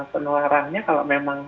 penularannya kalau memang